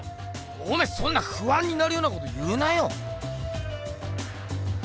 おめぇそんなふあんになるようなこと言うなよ！